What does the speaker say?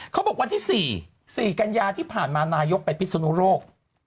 วันที่๔๔กันยาที่ผ่านมานายกไปพิศนุโรค